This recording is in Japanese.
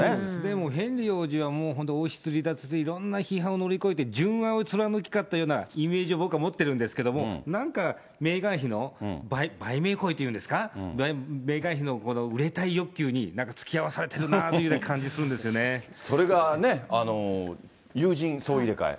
もうヘンリー王子はもう本当、王室離脱でいろんな批判を受けて、純愛を貫いたようなイメージを僕は持ってるんですけど、なんかメーガン妃の売名行為というんですか、メーガン妃の売れたい欲求になんかつきあわされてるなって感じがそれがね、友人総入れ替え。